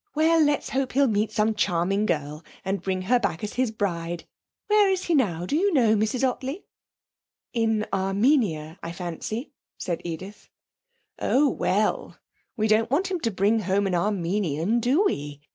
Well, let's hope he'll meet some charming girl and bring her back as his bride. Where is he now, do you know, Mrs Ottley?' 'In Armenia, I fancy,' said Edith. 'Oh, well, we don't want him to bring home an Armenian, do we?